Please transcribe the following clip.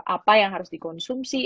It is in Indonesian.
apa yang harus dikonsumsi